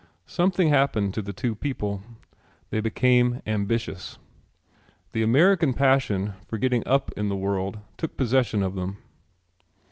Something happened to the two people. They became ambitious. The American passion for getting up in the world took possession of them.